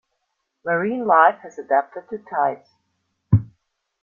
Marine life has adapted to tides.